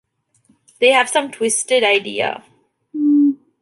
They have some twisted idea.